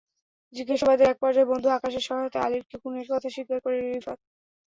জিজ্ঞাসাবাদের একপর্যায়ে বন্ধু আকাশের সহায়তায় আলিফকে খুনের কথা স্বীকার করে রিফাত।